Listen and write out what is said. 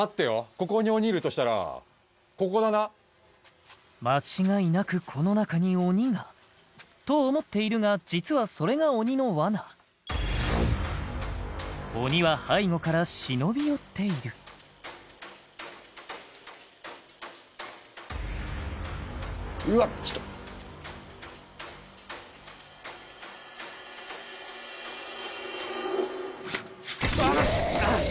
ここに鬼いるとしたらここだな間違いなくこの中に鬼がと思っているが実はそれが鬼の罠鬼は背後から忍び寄っているうわっちょっとあっ！